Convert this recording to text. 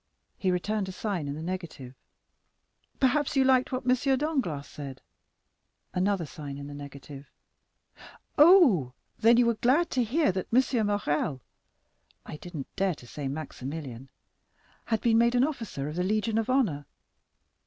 He returned a sign in the negative. 'Perhaps you liked what M. Danglars said?' Another sign in the negative. 'Oh, then, you were glad to hear that M. Morrel (I didn't dare to say Maximilian) had been made an officer of the Legion of Honor?